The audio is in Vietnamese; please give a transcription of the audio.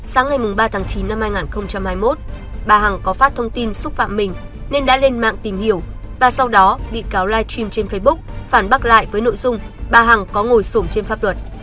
sáng ngày ba tháng chín năm hai nghìn hai mươi một bà hằng có phát thông tin xúc phạm mình nên đã lên mạng tìm hiểu và sau đó bị cáo live stream trên facebook phản bác lại với nội dung bà hằng có ngồi sổm trên pháp luật